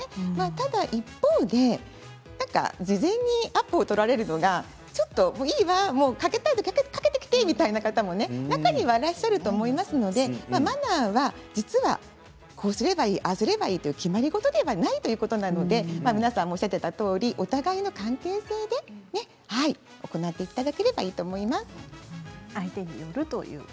ただ一方で事前にアポを取られるのがかけたいときにかけてきてという方も中にはいらっしゃると思いますのでマナーは実はこうすればいい、ああすればいいという決まり事ではないということなので皆さんおっしゃっていたとおりお互いの関係性で行っていただければいいと思います。